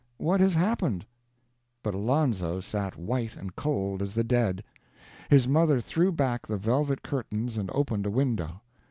What has happened?" But Alonzo sat white and cold as the dead. His mother threw back the velvet curtains and opened a window.